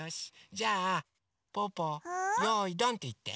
じゃあぽぅぽ「よいどん」っていって。